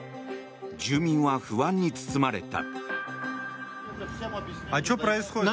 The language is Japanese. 住民は不安に包まれた。